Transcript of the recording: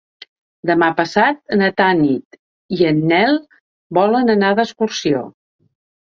Demà passat na Tanit i en Nel volen anar d'excursió.